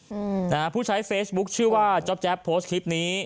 อืมนะฮะผู้ใช้เฟซบุ๊คชื่อว่าจ๊อบแจ๊บโพสต์คลิปนี้